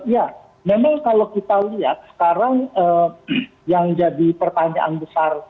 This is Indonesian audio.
ya memang kalau kita lihat sekarang yang jadi pertanyaan besar